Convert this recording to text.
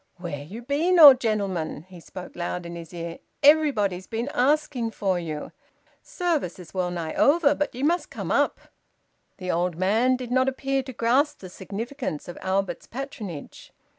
"Where you been, old gentleman?" He spoke loud in his ear. "Everybody's been asking for you. Service is well nigh over, but ye must come up." The old man did not appear to grasp the significance of Albert's patronage.